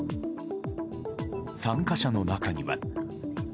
参加者の中には。